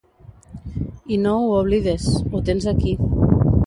I no ho oblides, ho tens aquí.